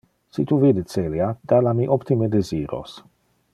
Si tu vide Celia, da la mi optime desiros.